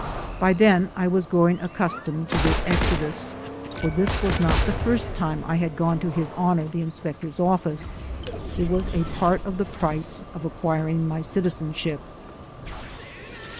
But then I was growing accustomed to this exodus, for this was not the first time I had gone to his honor the inspector's office. It was a part of the price of acquiring my citizenship.